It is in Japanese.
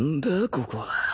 ここは。